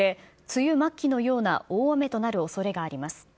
梅雨末期のような大雨となるおそれがあります。